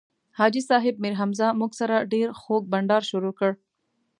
حاجي صیب میرحمزه موږ سره ډېر خوږ بنډار شروع کړ.